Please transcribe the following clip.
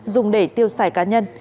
dùng để tiêu xài cá nhân